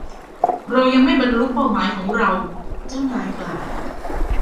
เรายังไม่บรรลุเป้าหมายของเราเจ้านายกล่าว